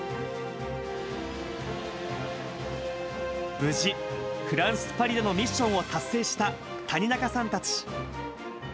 無事、フランス・パリでのミッションを達成した谷中さんたち。